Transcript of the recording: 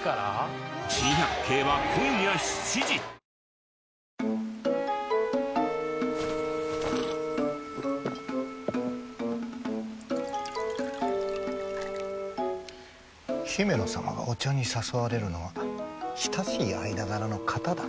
ヒメノ様がお茶に誘われるのは親しい間柄の方だけです。